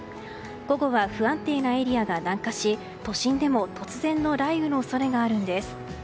午後は不安定なエリアが南下し都心でも突然の雷雨の恐れがあるんです。